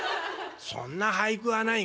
「そんな俳句はないがな。